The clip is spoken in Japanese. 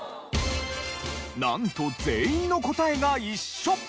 なんと全員の答えが一緒！